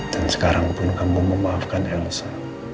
dan sekarang pun kamu memaafkan elsa